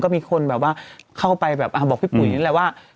ก็มีคนเข้าไปบอกพี่ปุ่ยนี่แหละว่า